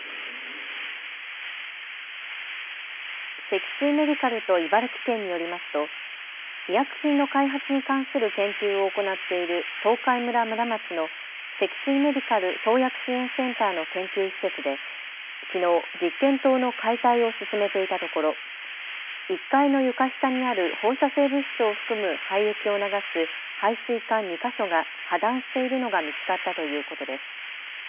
積水メディカルと茨城県によりますと医薬品の開発に関する研究を行っている東海村村松の積水メディカル創薬支援センターの研究施設できのう実験棟の解体を進めていたところ、１階の床下にある放射性物質を含む廃液を流す排水管２か所が破断しているのが見つかったということです。